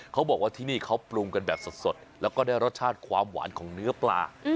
เขาบอกว่าที่นี่เขาปรุงกันแบบสดแล้วก็ได้รสชาติความหวานของเนื้อปลา